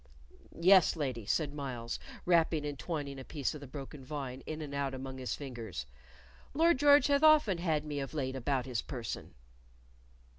"Yes, lady," said Myles, wrapping and twining a piece of the broken vine in and out among his fingers. "Lord George hath often had me of late about his person."